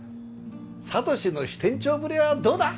智志の支店長ぶりはどうだ？